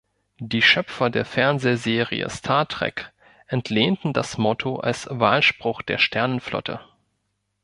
Die Schöpfer der Fernsehserie "Star Trek" entlehnten das Motto als Wahlspruch der Sternenflotte.